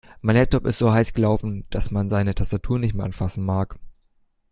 Mein Laptop ist so heiß gelaufen, dass man seine Tastatur nicht mehr anfassen mag.